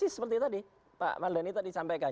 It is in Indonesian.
seperti tadi pak mardani tadi sampaikan